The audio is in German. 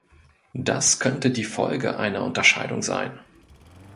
Das könnte die Folge einer Unterscheidung sein.